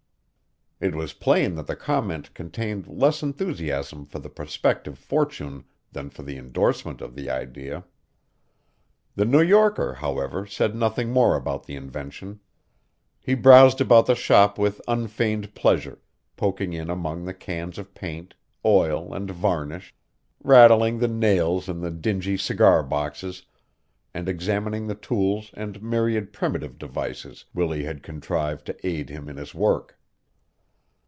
It was plain that the comment contained less enthusiasm for the prospective fortune than for the indorsement of the idea. The New Yorker, however, said nothing more about the invention. He browsed about the shop with unfeigned pleasure, poking in among the cans of paint, oil, and varnish, rattling the nails in the dingy cigar boxes, and examining the tools and myriad primitive devices Willie had contrived to aid him in his work.